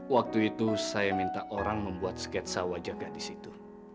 waktu itu saya minta orang membuat sketsa wajah gadis itu